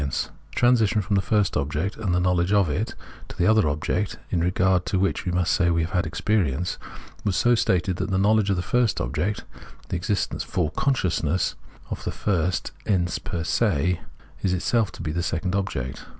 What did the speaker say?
The transition from the first object and the knowledge of it to the other object, in regard to which we say we have had experience, was so stated tbat the knowledge of the first object, the existence for consciousness of the first ens per se, is itself to be the second object.